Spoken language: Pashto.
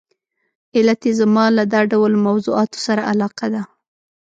علت یې زما له دا ډول موضوعاتو سره علاقه ده.